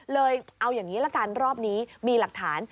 เอาอย่างนี้ละกันรอบนี้มีหลักฐาน